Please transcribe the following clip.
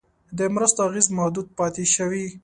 د مرستو اغېز محدود پاتې شوی.